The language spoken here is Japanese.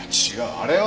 あれは。